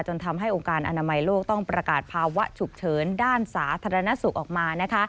ทำให้องค์การอนามัยโลกต้องประกาศภาวะฉุกเฉินด้านสาธารณสุขออกมานะคะ